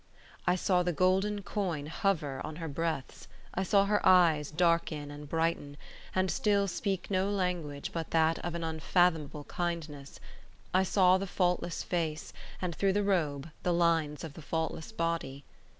I saw the golden coin hover on her breaths; I saw her eyes darken and brighter, and still speak no language but that of an unfathomable kindness; I saw the faultless face, and, through the robe, the lines of the faultless body.